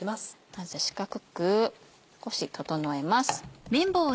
まず四角く少し整えます。